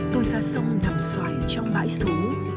tôi ra sông nằm xoài trong bãi xú